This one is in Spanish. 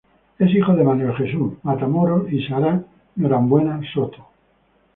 Es hijo de Manuel Jesus Matamoros y Sara Norambuena Soto.